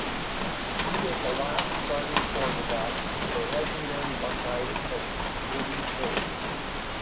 He was the last starting quarterback for legendary Buckeyes coach Woody Hayes.